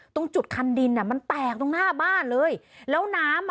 ตรงจุดคันดินอ่ะมันแตกตรงหน้าบ้านเลยแล้วน้ำอ่ะ